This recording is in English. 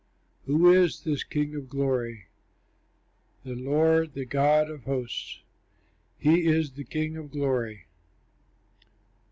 Who is this King of Glory? The Lord, the God of hosts, He is the King of Glory!